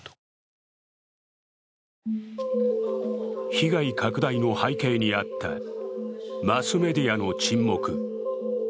被害拡大の背景にあったマスメディアの沈黙